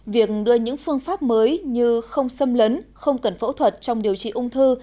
việc đưa những phương pháp mới như không xâm lấn không cần phẫu thuật trong điều trị ung thư